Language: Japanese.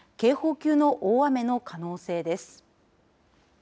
警報級の大雨の可能性です。